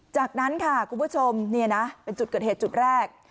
จากนั้นค่ะคุณผู้ชมนี่นะเป็นจุดเกิดเหตุจุดแรก